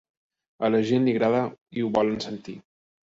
A la gent li agrada i ho volen sentir.